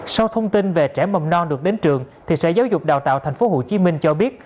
sau thông tin về trẻ mầm non được đến trường sở giáo dục đào tạo tp hcm cho biết